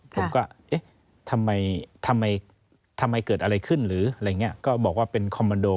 ผมก็เอ๊ะทำไมก็บอกว่าเป็นคอมมันโด